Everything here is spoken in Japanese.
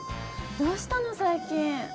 どうしたの最近。